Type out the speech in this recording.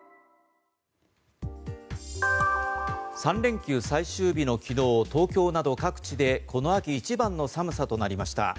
３連休最終日の昨日東京など各地でこの秋一番の寒さとなりました。